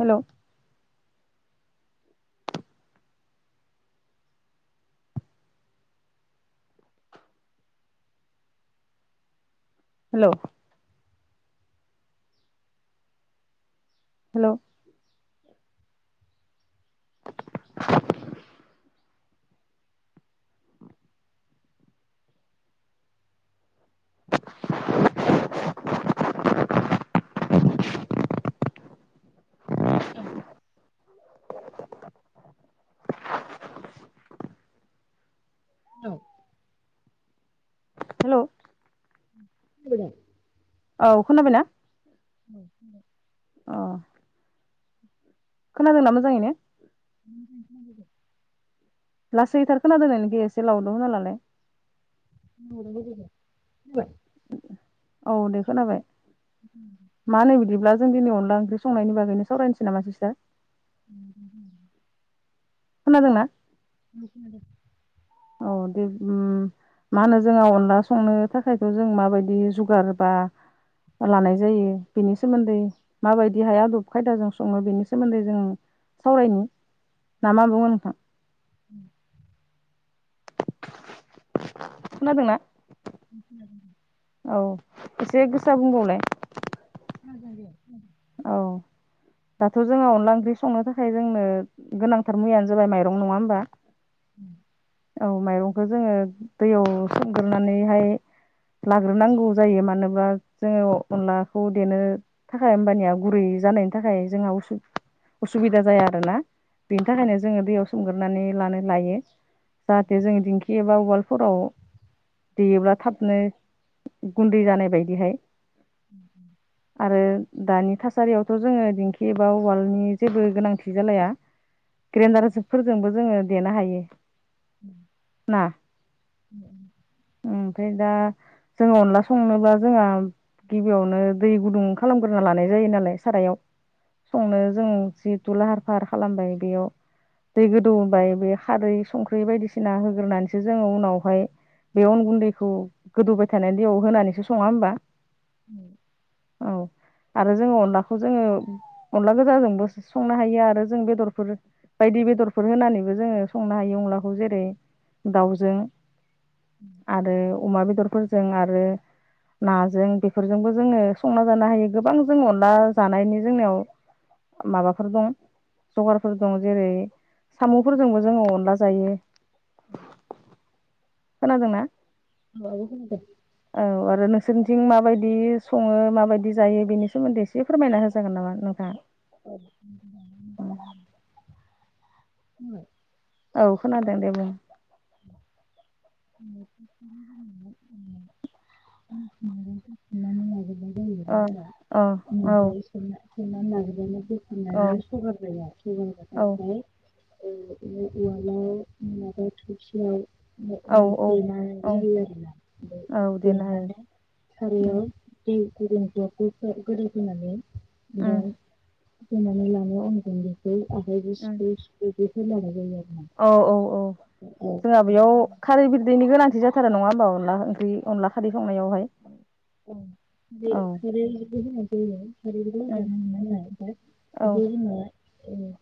Hello. Hello. Hello. औ। Hello. Hello. [inaudible] औ खोनाबायना। औ अ। खोनादोंना मोजाङै नो। लासैथार खोनादों नोंनिखो एसे लाउदाव होनालालाय। [unintelligible] औ दे खोनाबाय माहोनो बिदिब्ला जों दिनै अनदला ओंख्रि संनायनि बागैनो सावरायनोसै नामा सिस्टार। [inaudible] खोनादोंना। [inaudible] औ दे उम। मा होनो जोंहा अनला संनो थाखायथ' जों माबायदि जुगार बा लानाय जायो बेनि सोमोन्दै माबायदिहाय आदब खायदाजों सङो बेनि सोमोन्दै जों सावरायनि ना मा बुङो नोंथां। [unintelligible] खोनादोंना। [inaudible] औ एसे गोसा बुंबावलाय। [unintelligible] औ। दाथ' जोङो अनला ओंख्रि संनो थाखाय जोंनो गोनांथार मुयानो जाबाय माइरं नङा होमबा। उ औ माइरंखौ जोङो दैयाव सोमग्रोनानैहाय लाग्रोनांगौ जायो मानोबा जोङो अनलाखौ देनो थाखाय। होमबानिया गुरै जानायनि थाखाय जोंहा [unintelligible] असुबिदा जाया आरोना। बेनि थाखायनो जोङो दैयाव सोमगोरानै लानो लायो जाहाथे जोंङो दिंखि एबा उवाल फराव देयोब्ला थाबनो गुन्दै जानाय बायदिहाय आरो [inaudible] दानि थासारियावथ' जोङो दिंखि एबा उवालनि जेबो गोनांथि जालाया‌। ग्रेन्डारफोरजोंबो जोङो देनो हायो। ना ओमफाय दा जोङो अनला संनोबा जोंहा गिबियावनो दै गुदुं खालाम ग्रोना लानाय जायो नालाय सारायाव संनो जों जि थु लाहार फाहार खालामबाय बियाव दै गोदौ होबाय बे खारै संक्रै बायदिसिना होग्रोनानैसो जोङो उनावहाय बे अन गुन्दैखौ गोदौबाय थानाय दैयाव होनानैसो सङा होमबा ओम औ आरो जोङो अनलाखौ जोङो अनला गोजाजोंबो संनो हायो आरो जों बेदरफोर बायदि बेदरफोर होनानैबो जोङो संनो हायो अनलाखौ जेरै दाउजों आरो अमा बेदर फोरजों आरो नाजों बेफोरजोंबो जोङो संना जानो हायो। गोबां जों अनला जानायनि जोंनियाव माबाफोर दं। जगारफोर दं जेरै सामु फोरजोंबो जोङो अनला जायो [inaudible] खोनादोंना। औ खोनादों। सोरथिं माबायदि सङो माबायदि जायो बेनि सोमोन्दै एसे फोरमायना होजागोन नामा नोंथाङा? औ [unintelligible] [unintelligible] औ खोनादों दे बुं। [unintelligible] जायो अ अ औ। सनानै लाग्रबानो औ दखनानै सगार जाया सगारबथाय ओमफ्राय उवालाव माबा थोरसियाव औ औ [unintelligible] देनानै औ जायो आरो ना औ देनो हायो देनानै उम सारायाव दै गुदुं ग्ल ग्ल गोदौ होनानै उम ओमफ्राय फोननानै लानाय अन गुनदैखौ आखाइजों [unintelligible] उम सिफै बेखौ लानाय जायो आरो। औ औ औ जोंहा बेयाव खारै बिरदैनि गोनां थि जाथारा नङा होनबा अनला ओंख्रि अनला खारै संनायावहाय औ औ जेरैबादि उम होननाय जायो। औ [unintelligible] [unintelligible]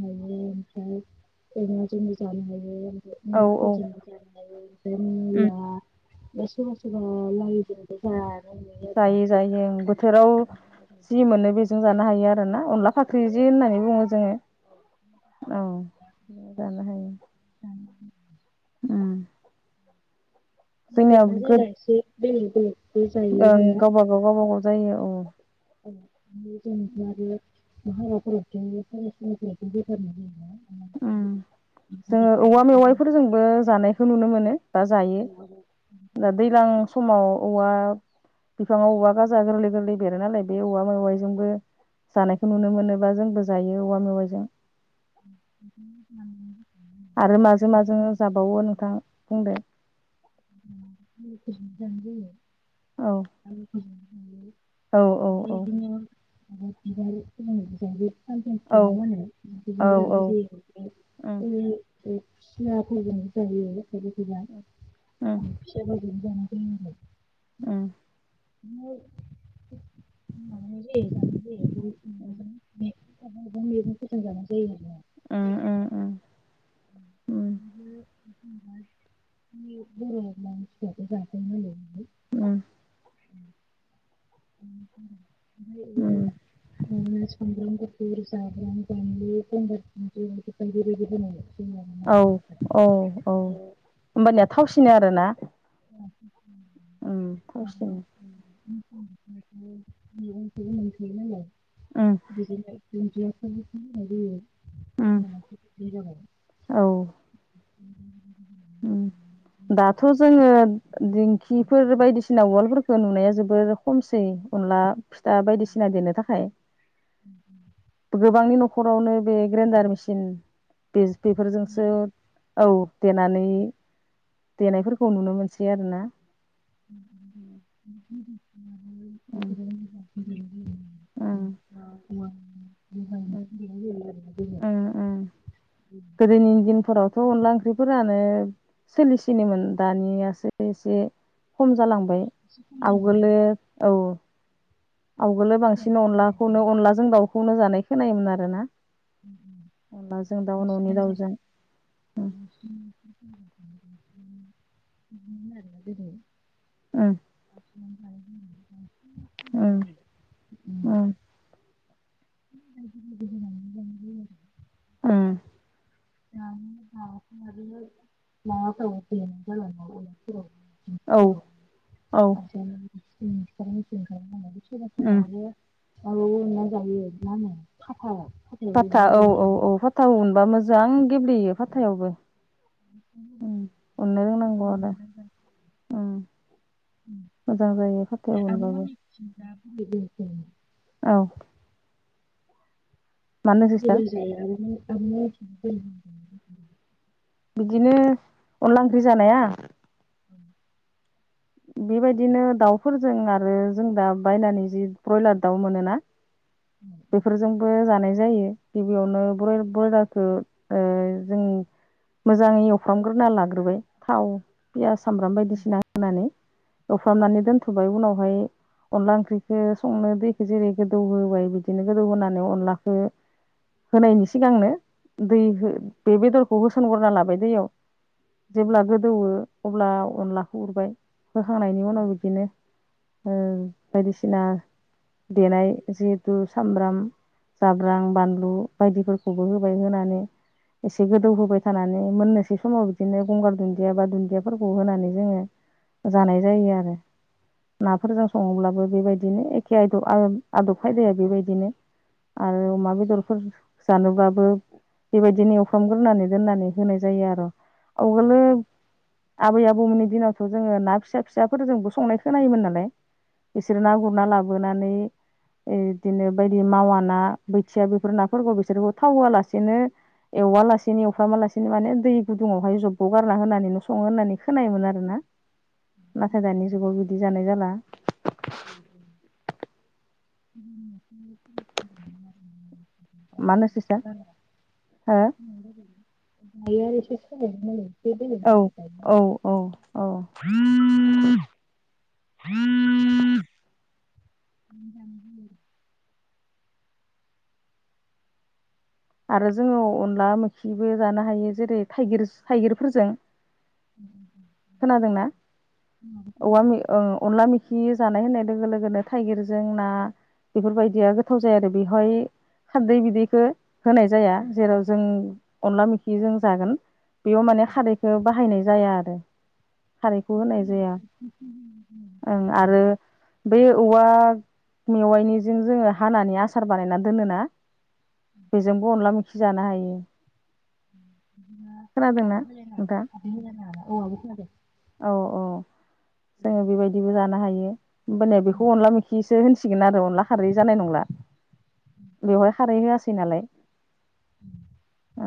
हायो ओमफ्राय जोंनो जानो हायो। औ ना औ फोरजोंबो जानो हायो‌ ओमफाय उम मुला बा सोरबा सोरबा [unintelligible] आरोना जायै जायै बोथोराव जि जायगा मोनो बिजों जानो हायो आरो आरो ना अनला फाख्रि जि होननानै बुङो जोङो औ जानो हायो‌। ओम जायगा लाना जायगा इसे बेलेक बेलेक ओं गावबा गाव गावबा गाव जायो औ। जेनेबा बे हाबाफोरावजों [unintelligible] [unintelligible] ओम जोङो औवा मेवाइफोरजोंबो जानायखौ नुनो मोनो। दा जायो दा दैलां समाव औवा बिफाङाव औवा गाजा गोरलै गोरलै बेरो नालाय बे औवा मवायजोंबो जानायखौ नुनो मोनोबा जोंबो- जायो औवा मेवाइजों [inaudible] आरो माजों माजों जाबावो नोंथां बुंदो। मोनजायो औ आरो औ औ [inaudible] [inaudible] बे औ औ खुसियाफोरजों औ उम जायो थायफोरैजा खिफोर उम ज जानाय ओं। न [unintelligible] उम माब जायो [inaudible] उम उम उम। ब मसिथ जाथ होनल उम। [unintelligible] उम मोनसे सामब्राम गुफुर, जाब्रां, बानलु, गंगार धुन्दिया बायदि बायदि मोनो। औ औ औ होमबानिया थावसिनो आरोना? उम थावसिनो। मैगंखौबो मोनखायो नालाय उम बिदिनो दुन्दिया ज उम जानाय जायो। औ दाथ' जोङो दिंखिफोर बायदिसिना उवाल फोरखौ नुनाया जोबोर खमसै। अनला फिथा बायदिसिना देनो थाखाय। गोबांनि न'खर न'खरावनो बे ग्रेन्डार मेसिन दानिया बेफोरजोंसो औ देर नानै देनायफोरखौ नुनो मोनसै आरो ना। उम [unintelligible] ओं। [unintelligible] जायो आरो ओं ओं गोदोनि दिनफोरावथ' अनला ओंख्रिफोर जानो सोलिसिनोमोन दानियासो एसे खम जालांबाय। एसे खम जाबाय आवगोलो ना औ। आवगोलो सोलाय बांसिन मिलाय जायो अनलाखौनो अनलाजों दाउखौनो जानाय खोनायोमोन आरो ना। अनला जों दाउ न'नि बांसिनानो दाउजों। उम [unintelligible] ओं। [unintelligible] जाबाय ओं। आरो ओं। [unintelligible] उम। [unintelligible] औ। औ। [unintelligible] सोरबा सोरबा उम आरो औ अुनना जायो मा होनो खाथा खाथायाव फाथा एवनानै औ औ जायो औ फाथाव अनबा मोजां गेब्लेयो फाथायावबो। उ अनो रोंनांगौ आरो आरोना उम। मोजां जायो फाथायाव उनबाबो [unintelligible] औ। मानो सिस्टार ब जायो बिदिनो अनला ओंख्रि जानाया बेबायदिनो दाउफोरजों आरो जों दा बायनानै जि ब्रयलार दाउ मोनोना बेफोरजोंबो जानाय जायो गिबियावनो बय बयलारखौ ओ जों मोजाङै एवफ्रामग्रोना लाग्रोबाय। थाव, पियास सामब्राम बायदिसिना होनानै एवफ्रामनानै दोनथ'बाय उनाव बेहाय अनला ओंख्रिखौ संनो दैखो जेरै गोदौ होबाय बिदि बिदिनो गोदौ होनानै अनलाखौ होनायनि सिगांनो दै हो बे बेदरखौ होसनगोरना लाबाय दैयाव। जेब्ला गोदौवो अब्ला अनलाखौ उरबाय होखांनायनि उनाव बिदिनो। बायदिसिना देनाय जि थु सामब्राम जाब्रां बानलु बायदिफोरखौबो होबाय। होनानै एसे गोदौ होबाय थानानै मोननोसै समाव बिदिनो गंगार दुन्दिया बा दुन्दियाफोरखौ होनानै जोङो जानाय जायो आरो नाफोरजों सङोब्लाबो बेबायदिनो एखे आयदा आदब फायदाया बेबायदिनो आरो अमा बेदरफोर जानोब्लाबो बेबायदिनो एवफ्रामग्रोनानै दोननानै होनाय जायो आरो। आगोल आबै आबौमोननि दिनावथ' जोङो ना फिसा फिसाफोरजोंबो संनाय खोनायोमोन नालाय बिसोरो ना गुरना लाबोनानै इदिनो बायदि मावा ना बोथिया बेफोर नाफोरखौ बिसोरखौ थाव होआलासेनो एवालासेनो एवफ्रामा लासिनो माने दै गुदुङावहाय जब्ब' गारना होनानै' सङो होननानै खोनायोमोन आरो ना। नाथाय दानि जुगाव बिदि जानाय जाला [unintelligible] मा होनो सिस्टार [unintelligible] हो [unintelligible] औ जाबाय दायो औ औ औ, हम [unintelligible] [unintelligible] आरो जोङो अनला मोखुनबो जानो हायो जेरै थाइगिर थाइगिरफोरजों। औ औ, खोनादोंना औवा अनला मैखि खि जानाय होननाय लोगो लोगोनो थाइगिरजों ना बेफोरबायदिया गोथाव जाया आरो बेवहाय खारदै बिदैखौ होनाय जाया जेराव जों अनला मोखि जों जागोन बेयाव माने खारैखौ बाहायनाय जाया आरो। खारैखौ होनाय जाया ओं आरो बेै औवा मेवाइनिजों जोङो हानानै आसार बानायनानै दोनोना बेजोंबो अनला मै जानो हायो। खोनादोंना [unintelligible] नोंथां [unintelligible] औ औ जोङो बेबायदिबो जानो हायो हमबालाय बेखौ अनला मैखि होनसिगोन आरो अनला खारै जानाय नंला बेवहाय खारै होआसै नालाय। ओम, औ,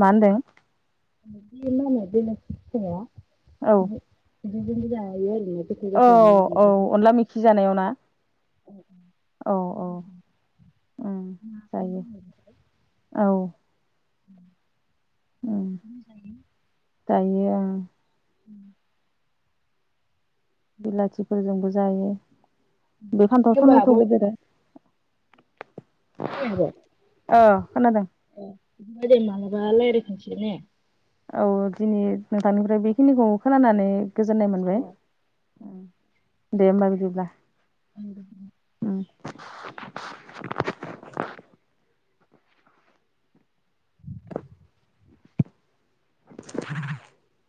मा होनदों [unintelligible] औ, बिदिबो जायो आरो औ, औ अनला मैखि जानायाव ना? औ औ औ जायो। औ, ओम बिदिनो जायो। दायो आं ओम, बिलाथिफोरजोंबो जायो बे फान्थाव होमबा टमेट' आब' फोरजोंबो ओ खोनादों ऐ मालाबा रायलायफिनसैने। औ दिनै नोंथांनिफ्राय बेखिनिखौ खोनानानै गोजोननाय मोनबाय दे होमबा बिदिब्ला [inaudible] [inaudible] [inaudible]